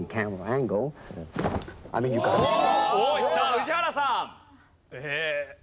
宇治原さん。